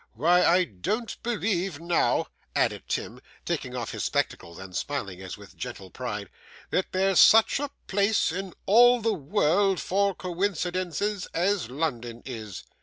Why, I don't believe now,' added Tim, taking off his spectacles, and smiling as with gentle pride, 'that there's such a place in all the world for coincidences as London is!